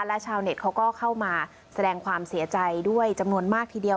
และชาวเน็ตเขาก็เข้ามาแสดงความเสียใจด้วยจำนวนมากทีเดียว